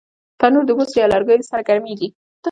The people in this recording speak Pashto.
تنور د بوسو یا لرګیو سره ګرمېږي